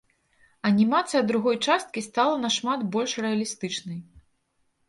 Анімацыя другой часткі стала нашмат больш рэалістычнай.